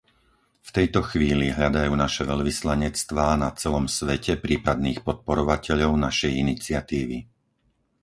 V tejto chvíli hľadajú naše veľvyslanectvá na celom svete prípadných podporovateľov našej iniciatívy.